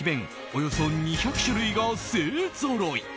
およそ２００種類が勢ぞろい。